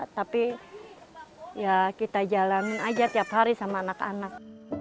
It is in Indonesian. tapi ya kita jalanin aja tiap hari sama anak anak